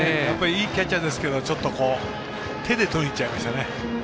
いいキャッチャーですけど手でとりにいっちゃいましたね。